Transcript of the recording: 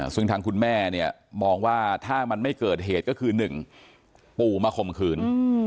ซึ่งทางคุณแม่เนี่ยมองว่าถ้ามันไม่เกิดเหตุก็คือ๑ปู่มาข่มขืน